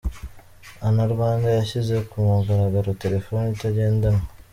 Ana rwanda yashyize ku mugaragaro telefoni itagendanwa